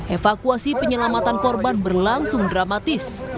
evakuasi penyelamatan korban berlangsung dramatis